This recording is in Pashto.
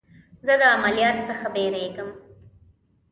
زه د عملیات څخه بیریږم.